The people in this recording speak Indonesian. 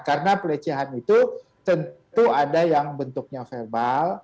karena pelecehan itu tentu ada yang bentuknya verbal